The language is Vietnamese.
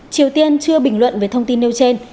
triều tiên chưa bình luận về thông tin nêu trên